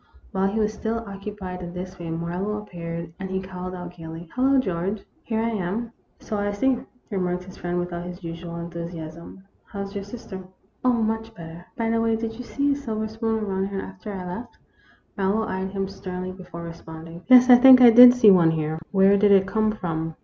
While he was still occupied in this way Marlowe 198 THE ROMANCE OF A SPOON. appeared, and he called out, gaily, " Hello, George ; here I am again !"" So I see," remarked his friend, without his usual enthusiasm. " How is your sister ?"" Oh, much better. By the way, did you see a silver spoon around here after I left ?" Marlowe eyed him sternly before responding. " Yes, I think I did see one here. Where did it come from